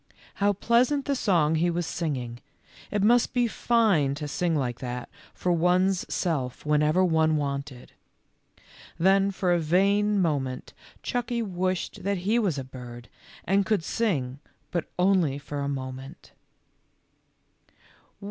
How pleasant the song he was singing ! It must be fine to sing like that for one's self whenever one wanted. Then for a vain moment Chucky wished that he was a bird, and could sing, but only for a moment.